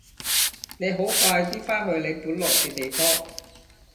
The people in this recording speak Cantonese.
你好快啲返去你本來嘅地方！